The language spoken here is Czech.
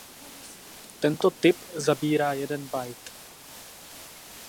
Tento typ zabírá jeden byte.